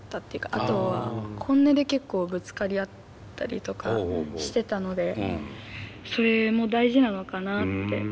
あとは本音で結構ぶつかり合ったりとかしてたのでそれも大事なのかなって思います。